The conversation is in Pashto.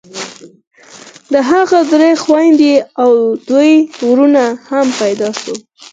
د هغه درې خويندې او دوه ورونه هم پيدا سول.